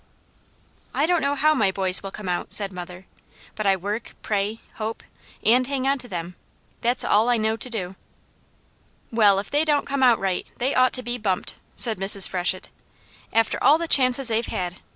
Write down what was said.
"I don't know how my boys will come out," said mother. "But I work, pray, hope, and hang to them; that's all I know to do." "Well, if they don't come out right, they ought to be bumped!" said Mrs. Freshett. "After all the chances they've had!